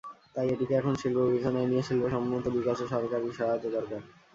তাই এটিকে এখন শিল্প বিবেচনায় নিয়ে শিল্পসম্মত বিকাশে সরকারি সহায়তা দরকার।